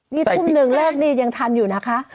นี่ทุ่มหนึ่งเลิกนี่ยังทันอยู่นะคะ